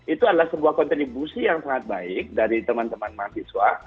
itu adalah sebuah kontribusi yang sangat baik dari teman teman mahasiswa